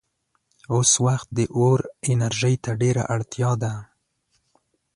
اوس وخت د اور انرژۍ ته ډېره اړتیا ده.